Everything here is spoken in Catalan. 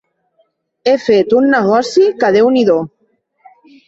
He fet un negoci que déu-n'hi-do!